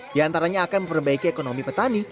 di antaranya akan memperbaiki ekonomi petani